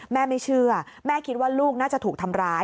ไม่เชื่อแม่คิดว่าลูกน่าจะถูกทำร้าย